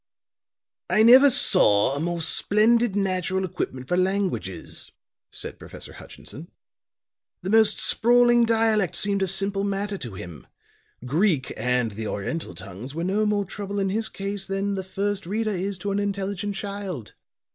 "I never saw a more splendid natural equipment for languages," said Professor Hutchinson. "The most sprawling dialect seemed a simple matter to him; Greek and the oriental tongues were no more trouble in his case than the 'first reader' is to an intelligent child."